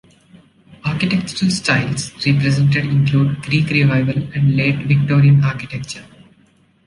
Architectural styles represented include Greek Revival and Late Victorian architecture.